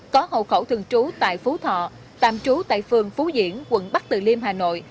có hậu khẩu thường trú tại phú thọ tạm trú tại phường phú diễn quận bắc từ liêm hà nội